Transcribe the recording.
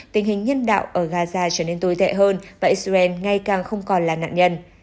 tình hình nhân đạo ở gaza trở nên tồi tệ hơn và israel ngày càng không còn là nạn nhân